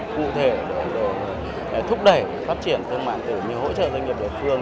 cụ thể để thúc đẩy phát triển thương mại điện tử như hỗ trợ doanh nghiệp địa phương